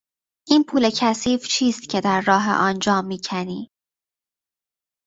این پول کثیف چیست که در راه آن جان میکنی؟